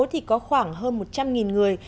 thì có khoảng hơn một trăm linh người